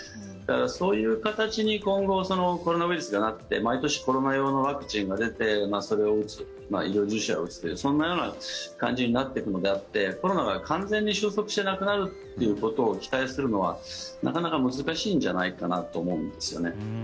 そういう形に今後コロナウイルスがなって毎年コロナ用のワクチンが出てそれを打つ医療従事者は打つというそんなような感じになっていくのであってコロナが完全に収束してなくなるということを期待するのはなかなか難しいんじゃないかなと思うんですよね。